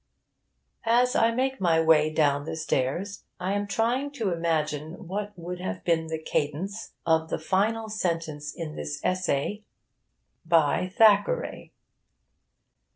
As I make my way down the stairs, I am trying to imagine what would have been the cadence of the final sentence in this essay by Thackeray.